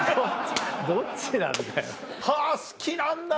どっちなんだよ？